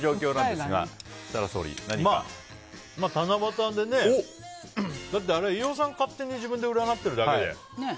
でも七夕でね、だってあれは飯尾さんが勝手に自分で占ってるだけで。